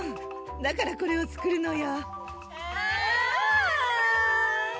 だからこれを作るのよ。